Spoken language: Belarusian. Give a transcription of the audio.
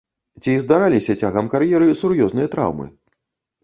Ці здараліся цягам кар'еры сур'ёзныя траўмы?